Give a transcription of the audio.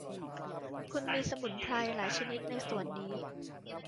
คุณมีสมุนไพรหลายชนิดในสวนนี้